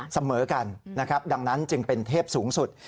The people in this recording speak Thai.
เสมอกันนะครับดังนั้นจึงเป็นเทพสูงสุด